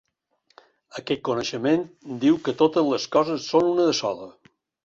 Aquest coneixement diu que totes les coses són una de sola.